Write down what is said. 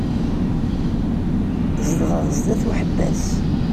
Zedɣeɣ sdat uḥebbas.